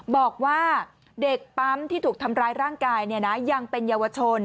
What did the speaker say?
บอกว่าเด็กปั๊มที่ถูกทำร้ายร่างกายยังเป็นเยาวชน